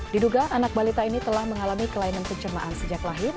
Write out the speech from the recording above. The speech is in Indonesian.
diduga anak balita ini telah mengalami kelainan pencemaan sejak lahir